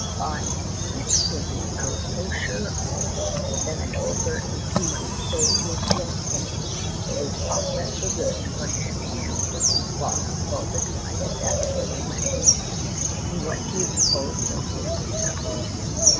By next morning I was so sure of it that I told Burton he might say to his fiancee that his prospects were very good for a handsome windfall about the time vset for their wedding. "And what do you suppose was this discovery?